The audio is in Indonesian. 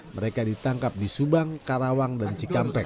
mereka ditangkap di subang karawang dan cikampek